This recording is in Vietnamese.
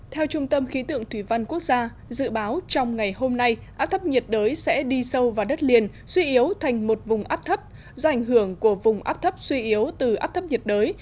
theo trung tâm khí tượng thủy văn quốc gia dự báo trong ngày hôm nay áp thấp nhiệt đới sẽ đi sâu vào đất liền suy yếu thành một vùng áp thấp do ảnh hưởng của vùng áp thấp suy yếu từ áp thấp nhiệt đới